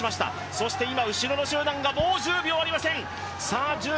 そして、今、後ろの集団がもう１０秒ありません。